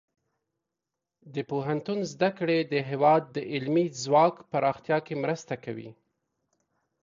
د پوهنتون زده کړې د هیواد د علمي ځواک پراختیا کې مرسته کوي.